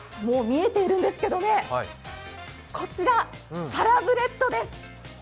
もう見えているんですけどね、こちら、サラブレッドです。